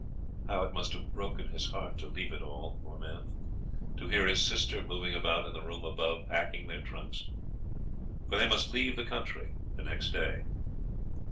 How it must have broken his heart to leave it all, poor man; to hear his sister moving about in the room above, packing their trunks! For they must leave the country next day.